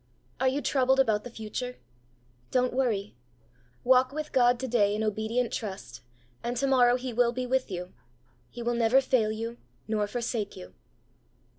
Are you troubled about the future ? Don't worry. Walk with God to day in obedient trust, and to morrow He will be with you. He will never fail you, nor forsake you.